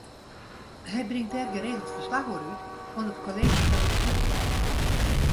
Hy bringt dêr geregeld ferslach oer út oan it Kolleezje fan Bestjoer.